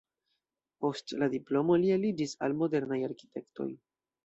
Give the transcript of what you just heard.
Post la diplomo li aliĝis al modernaj arkitektoj.